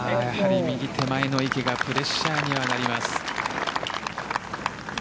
右手前の池がプレッシャーにはなります。